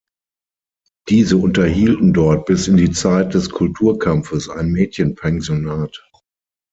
Diese unterhielten dort bis in die Zeit des Kulturkampfes ein Mädchenpensionat.